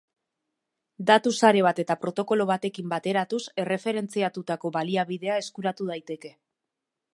Datu-sare bat eta protokolo batekin bateratuz, erreferentziatutako baliabidea eskuratu daiteke.